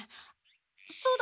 そうだ。